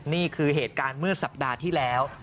นี่คือเหตุการณ์เมื่อสัปดาห์ที่แล้ว